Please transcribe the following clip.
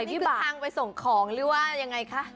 อันนี้คือทางไปส่งของหรือว่ายังไงคะ